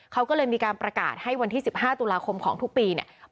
เขาก็เลยมีการประกาศให้วันที่๑๕ตุลาคมของทุกปีเนี่ย